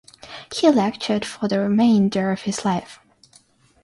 He lectured for the remainder of his life.